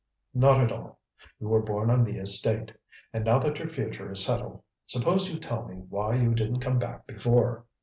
"Not at all. You were born on the estate. And now that your future is settled, suppose you tell me why you didn't come back before?"